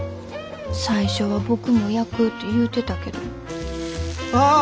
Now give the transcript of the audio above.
最初は僕も焼くって言うてたけど。